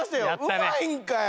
うまいんかよ！